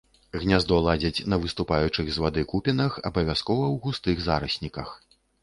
Гняздо ладзяць на выступаючых з вады купінах, абавязкова ў густых зарасніках.